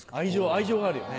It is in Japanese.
愛情があるよね。